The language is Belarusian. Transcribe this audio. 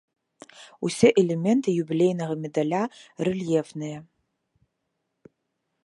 Усе элементы юбілейнага медаля рэльефныя.